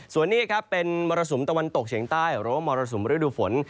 ส่วนนี้ครับเป็นมรสุมตะวันตกเฉียงใต้หรือว่ามรสุมฤดูฝน